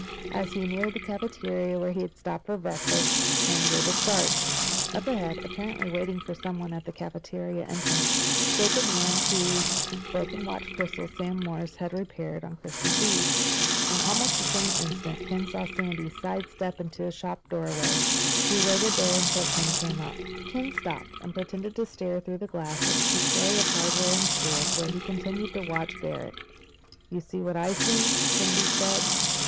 As he neared the cafeteria where he had stopped for breakfast, Ken gave a start. Up ahead, apparently waiting for someone at the cafeteria entrance, stood the man whose broken watch crystal Sam Morris had repaired on Christmas Eve. In almost that same instant Ken saw Sandy sidestep into a shop doorway. He waited there until Ken came up. Ken stopped and pretended to stare through the glass at a display of hardware and tools, while he continued to watch Barrack. "You see what I see?" Sandy said.